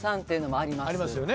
ありますよね。